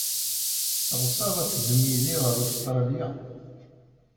Ɣseɣ ad teddum yid-i ɣer Ustṛalya.